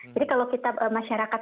jadi kalau kita masyarakat